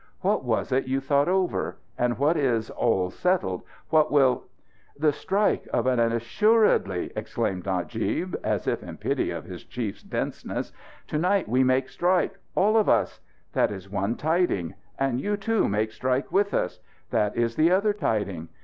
What was it you thought over? And what is 'all settled'? What will " "The strike, of an assuredly," explained Najib, as if in pity of his chief's denseness. "To night we make strike. All of us. That is one tiding. And you, too, make strike with us. That is the other tiding.